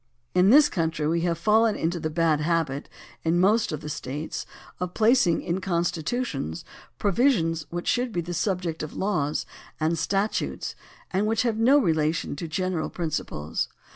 In this country we have fallen into the bad habit in most of the States of placing in constitutions provisions which should be the subject of laws and statutes and which have no relation to general principles.